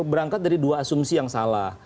berangkat dari dua asumsi yang salah